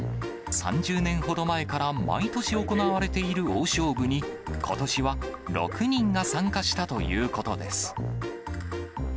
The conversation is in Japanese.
３０年ほど前から毎年行われている大勝負にことしは６人が参加したということです。